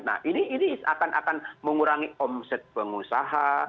nah ini akan mengurangi omset pengusaha